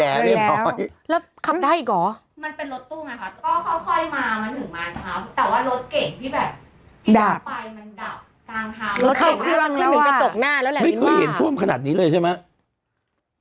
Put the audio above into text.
แล้วแหละไม่เคยเห็นท่วมขนาดนี้เลยใช่ไหม